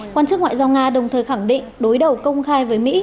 quan chức ngoại giao nga đồng thời khẳng định đối đầu công khai với mỹ